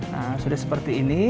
nah sudah seperti ini